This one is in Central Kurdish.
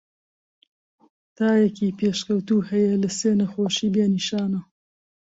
تایەکی پێشکەوتوو هەیە لە سێ نەخۆشی بێ نیشانە.